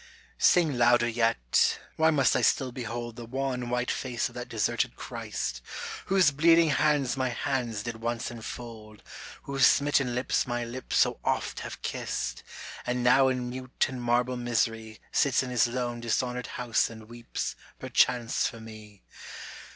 Sing louder yet, why must I still behold The wan white face of that deserted Christ, Whose bleeding hands my hands did once enfold, Whose smitten lips my lips so oft have kissed, And now in mute and marble misery Sits in his lone dishonored House and weeps, per chance for me.